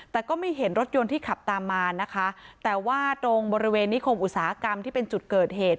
แต่ก็ไม่เห็นรถยนต์ที่ขับตามมานะคะแต่ว่าตรงบริเวณนิคมอุตสาหกรรมที่เป็นจุดเกิดเหตุ